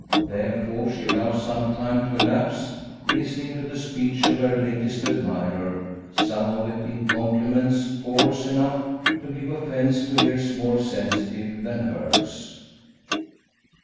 Therefore she allows some time to elapse, listening to the speech of her latest admirer; some of it in compliments coarse enough to give offence to ears more sensitive than hers.